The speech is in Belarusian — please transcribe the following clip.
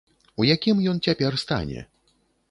У якім ён цяпер стане?